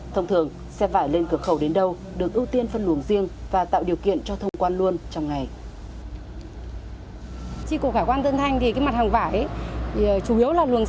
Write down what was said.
thông thường xe vải lên cửa khẩu đến đâu được ưu tiên phân luồng riêng và tạo điều kiện cho thông quan luôn trong ngày